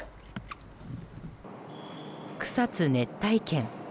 草津熱帯圏。